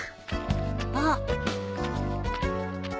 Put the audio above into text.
あっ。